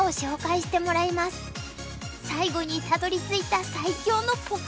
最後にたどりついた最強のポカ